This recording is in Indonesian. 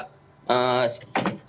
semenjak tentara ukraina bergabung ke bangkut